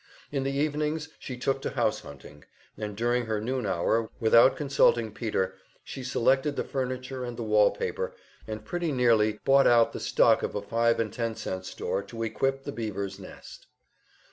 In the evenings she took to house hunting, and during her noon hour, without consulting Peter she selected the furniture and the wall paper, and pretty nearly bought out the stock of a five and ten cent store to equip the beaver's nest.